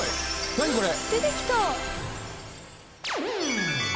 何これ。